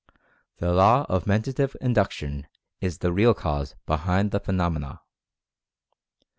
The Law of Mentative Induction is the real cause behind the phenomena.